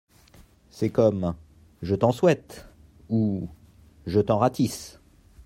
C’est comme "Je t’en souhaite"… ou "Je t’en ratisse"…